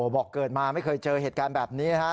บอกเกิดมาไม่เคยเจอเหตุการณ์แบบนี้นะฮะ